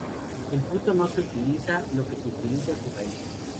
El fruto no se utiliza, lo que se utiliza es su raíz.